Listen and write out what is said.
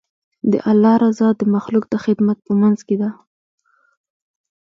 د الله رضا د مخلوق د خدمت په منځ کې ده.